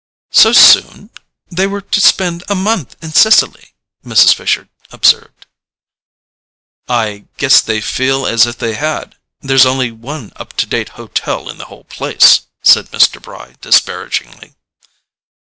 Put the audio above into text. "So soon? They were to spend a month in Sicily," Mrs. Fisher observed. "I guess they feel as if they had: there's only one up to date hotel in the whole place," said Mr. Bry disparagingly.